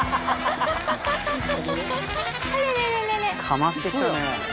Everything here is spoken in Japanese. かましてきたね。